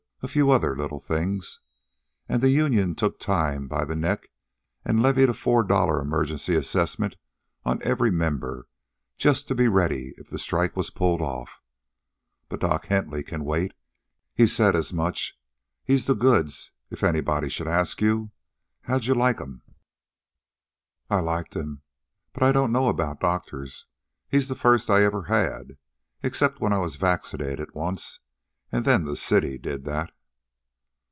a few other little things. An' the union took time by the neck and levied a four dollar emergency assessment on every member just to be ready if the strike was pulled off. But Doc Hentley can wait. He said as much. He's the goods, if anybody should ask you. How'd you like'm?" "I liked him. But I don't know about doctors. He's the first I ever had except when I was vaccinated once, and then the city did that."